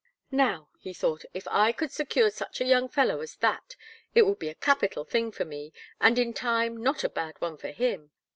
"Now," he thought, "if I could secure such a young fellow as that; it would be a capital thing for me, and in time not a bad one for him.